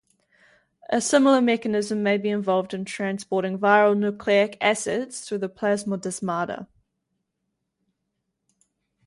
A similar mechanism may be involved in transporting viral nucleic acids through the plasmodesmata.